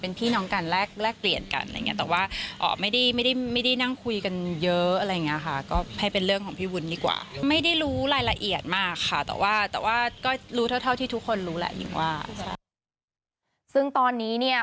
ปรึกษาค่ะก็ให้เป็นเรื่องของพี่วุ้นดีกว่าไม่ได้รู้รายละเอียดมากค่ะแต่ว่าแต่ว่าก็รู้เท่าที่ทุกคนรู้แหละยังว่าซึ่งตอนนี้เนี่ย